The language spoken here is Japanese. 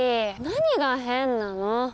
何が変なの？